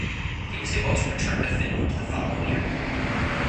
He was able to return to Finland the following year.